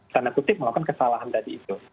tanda kutip melakukan kesalahan tadi itu